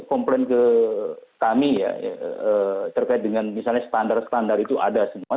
komplain ke kami ya terkait dengan misalnya standar standar itu ada semua